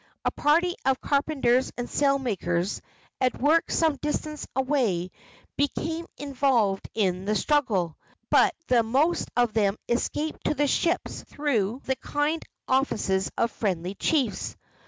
A party of carpenters and sail makers, at work some distance away, became involved in the struggle, but the most of them escaped to the ships through the kind offices of friendly chiefs.